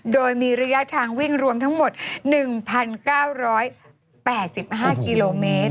โดยมีระยะทางวิ่งรวมทั้งหมด๑๙๘๕กิโลเมตร